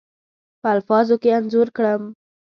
په الفاظو کې انځور کړم.